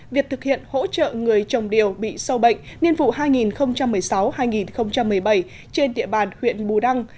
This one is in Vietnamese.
việc thực hiện hỗ trợ người trồng điều bị sâu bệnh niên vụ hai nghìn một mươi sáu hai nghìn một mươi bảy trên địa bàn huyện bù đăng